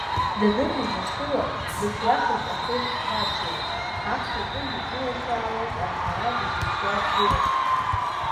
Даныныҩнашыла, дышиашаз ахышә днадгылан, ҳамҭакы иҩнылашаауаз амҳара дазыԥшуа дгылан.